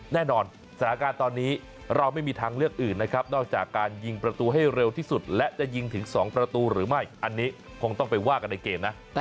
แน่นอนสถานการณ์ตอนนี้เราไม่มีทางเลือกอื่นนะครับนอกจากการยิงประตูให้เร็วที่สุดและจะยิงถึง๒ประตูหรือไม่อันนี้คงต้องไปว่ากันในเกมนะ